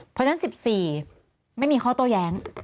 เพราะฉะนั้น๑๔ไม่มีข้อโต้แย้ง